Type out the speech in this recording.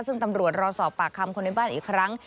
ซึ่งตำรวจรอสอบปากคำคนในบ้านอีกครั้ง